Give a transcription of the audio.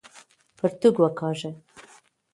پرتوګ وکاږه!